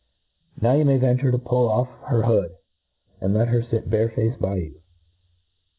Now you may venture to pull oflF her hood, and let her fit, bare faced by you.